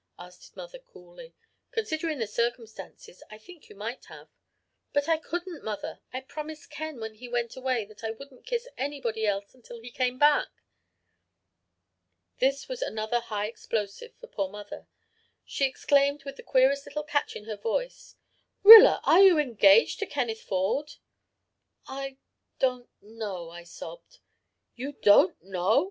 asked mother coolly. 'Considering the circumstances, I think you might have.' "'But I couldn't, mother I promised Ken when he went away that I wouldn't kiss anybody else until he came back.' "This was another high explosive for poor mother. She exclaimed, with the queerest little catch in her voice, 'Rilla, are you engaged to Kenneth Ford?' "'I don't know,' I sobbed. "'You don't know?'